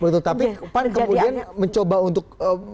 tapi pan kemudian mencoba untuk